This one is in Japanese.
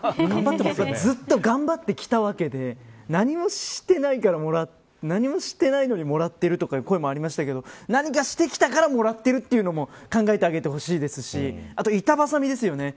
ずっと頑張ってきたわけで何もしていないのにもらっているという声もありましたけど何かしてきたから、もらっているというのも考えてあげてほしいですし、後は板挟みですよね。